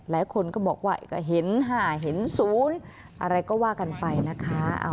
หลายคนก็บอกว่าเห็นห่าเห็นศูนย์อะไรก็ว่ากันไปนะคะ